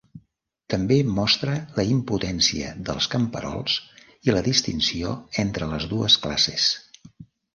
També mostra la impotència dels camperols i la distinció entre les dues classes.